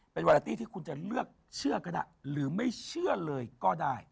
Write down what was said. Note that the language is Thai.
เป็นวาราตี้ที่คุณจะเลือกเชื่อก็ได้หรือไม่เชื่อเลยก็ได้